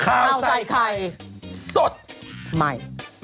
ข้าวใส่ไข่สดม่าย